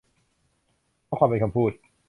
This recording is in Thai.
ข้อความเป็นคำพูด